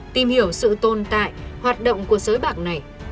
tìm hiểu sự tồn tại hoạt động của giới bạc này